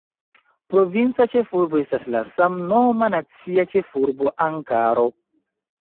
Provinca ĉefurbo estas la samnoma nacia ĉefurbo Ankaro.